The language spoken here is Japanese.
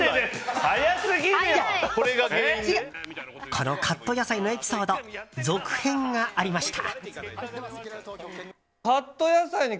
このカット野菜のエピソード続編がありました。